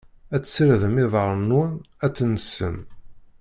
Ad tessirdem iḍarren-nwen, ad tensem.